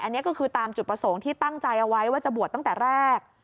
อันนี้ก็คือตามจุดประสงค์ที่ตั้งใจเอาไว้ว่าจะบวชตั้งแต่แรก